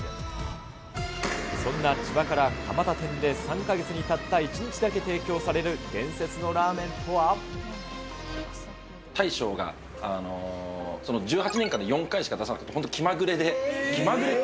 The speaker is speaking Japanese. そんなちばから蒲田店で３か月にたった１日だけ提供される伝説の大将が１８年間で４回しか出気まぐれ。